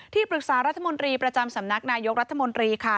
ปรึกษารัฐมนตรีประจำสำนักนายกรัฐมนตรีค่ะ